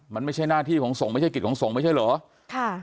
มันไม่ใช่หน้าที่ของส่งไม่ใช่กิจของสงฆ์ไม่ใช่เหรอ